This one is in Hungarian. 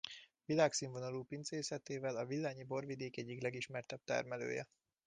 Világszínvonalú pincészetével a Villányi borvidék egyik legelismertebb termelője.